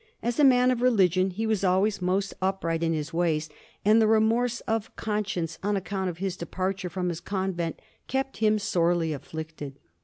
As a man of religion, he was always most upright in his ways; and the remorse of conscience, on account of his departure from his convent, kept him sorely afflicted.